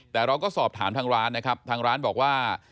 แต่เราก็สอบถามทางร้านนะครับทางร้านบอกว่า